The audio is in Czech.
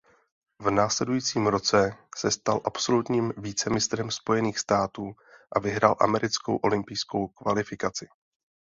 V následujícím roce se stal absolutním vicemistrem Spojených států a vyhrál americkou olympijskou kvalifikaci.